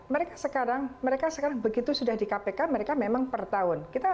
mereka sekarang mereka sekarang begitu sudah di kpk mereka memang per tahun